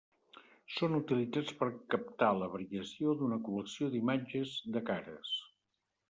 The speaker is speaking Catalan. Són utilitzats per captar la variació d'una col·lecció d'imatges de cares.